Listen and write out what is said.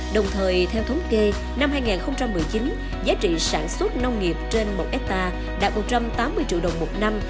đồng thời theo thống kê năm hai nghìn một mươi chín giá trị sản xuất nông nghiệp trên một hectare đạt một trăm tám mươi triệu đồng một năm